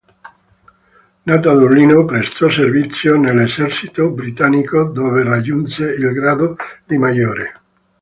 Nato a Dublino prestò servizio nell'esercito britannico dove raggiunse il grado di maggiore.